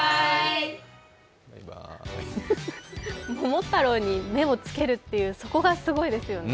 桃太郎に目をつけるって、そこがすごいですね。